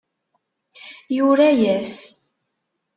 Yura-yas.